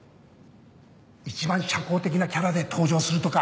一番社交的なキャラで登場するとか？